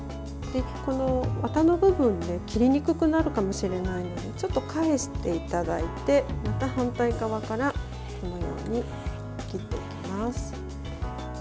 ワタの部分で切りにくくなるかもしれないのでちょっと返していただいてまた反対側からこのように切っていきます。